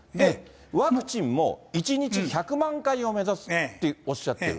ワクチンも１日１００万回を目指すっておっしゃっている。